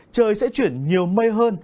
trời sẽ chuyển nhiều mây hơn